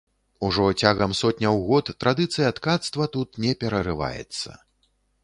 Ужо цягам сотняў год традыцыя ткацтва тут не перарываецца.